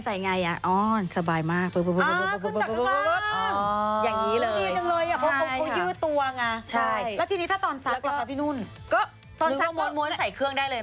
ดีกว่าดีกว่าน่าจะสัก